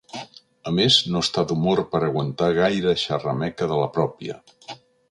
A més no està d'humor per aguantar gaire xerrameca de la pròpia.